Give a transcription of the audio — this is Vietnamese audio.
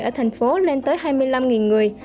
ở thành phố lên tới hai mươi năm người